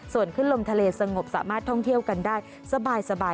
ส่วนขึ้นลมทะเลสงบสามารถท่องเที่ยวกันได้สบาย